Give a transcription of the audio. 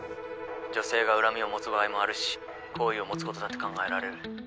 女性が恨みを持つ場合もあるし好意を持つことだって考えられる。